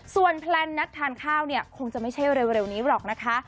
ส่วนแพลนนัดทานข้าวเนี่ยคงจะไม่ใช่เร็วนี้หรอกนะคะ